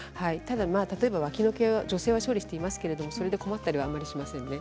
脇の毛は女性は処理していますけれどそれでも困ったりはしませんね。